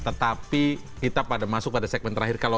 tetapi kita pada masuk pada segmen terakhir